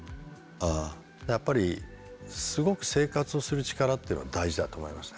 やっぱりすごく生活をする力っていうのは大事だと思いますね。